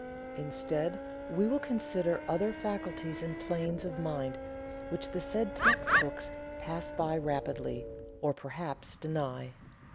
Instead we will consider other faculties and planes of mind which the said text books pass by rapidly, or perhaps deny.